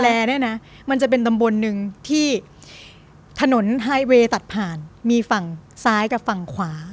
แร่น่ะนะมันจะเป็นตำบนหนึ่งที่ถนนท่านถัดผ่านมีฝั่งซ้ายกับฝั่งควา